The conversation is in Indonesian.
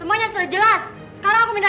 bagus lah kalau sadar